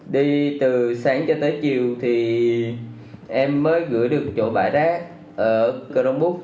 đi từ sáng cho tới chiều thì em mới gửi được chỗ bãi rác ở cờ rung búc